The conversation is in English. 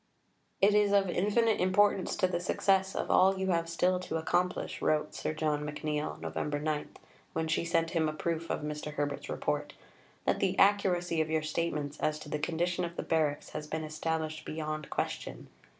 "It is of infinite importance to the success of all you have still to accomplish," wrote Sir John McNeill (Nov. 9) when she sent him a proof of Mr. Herbert's Report, "that the accuracy of your statements as to the condition of the Barracks has been established beyond question.